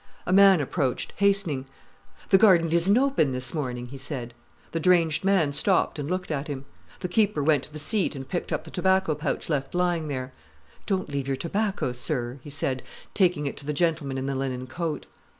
A man approached, hastening. "The garden isn't open this morning," he said. The deranged man stopped and looked at him. The keeper went to the seat and picked up the tobacco pouch left lying there. "Don't leave your tobacco, sir," he said, taking it to the gentleman in the linen coat.